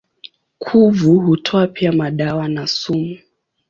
Kuvu hutoa pia madawa na sumu.